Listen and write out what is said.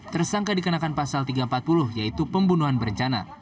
tersangka dikenakan pasal tiga ratus empat puluh yaitu pembunuhan berencana